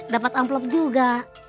dapat amplop juga